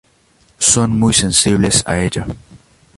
Son muy sensibles a ella.